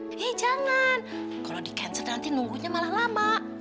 eh jangan kalau di cancer nanti nunggunya malah lama